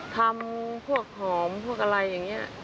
ทำพวกหอมพวกอะไรอย่างนี้